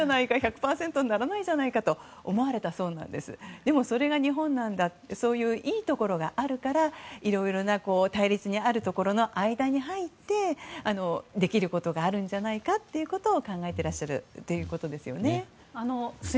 でもそれが日本なんだっていういいところがあるからいろいろな対立があるところの間に入ってできることがあるんじゃないかと考えていらっしゃるということですよね。